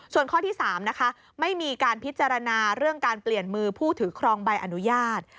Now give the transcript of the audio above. ส่วนข้อที่๓นะคะไม่มีการพิจารณาเรื่องการเปลี่ยนมือผู้ถือครองใบอนุญาต